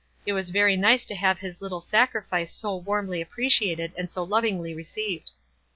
It was very nice to have his little sacrifice so warmly appre ciated and so lovingly received.